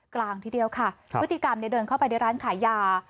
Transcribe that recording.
ทีเดียวค่ะพฤติกรรมเนี่ยเดินเข้าไปในร้านขายยา